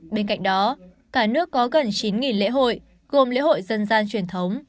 bên cạnh đó cả nước có gần chín lễ hội gồm lễ hội dân gian truyền thống